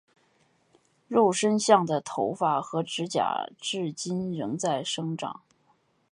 肉身像的头发和指甲至今仍在生长。